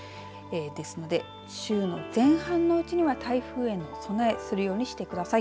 ですので、週の前半のうちには台風への備えするようにしてください。